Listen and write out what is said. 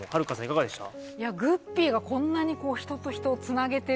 いかがでした？